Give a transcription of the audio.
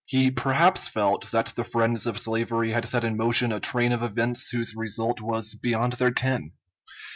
He perhaps felt that the friends of slavery had set in motion a train of events whose result was beyond their ken.